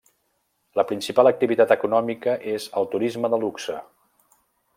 La principal activitat econòmica és el turisme de luxe.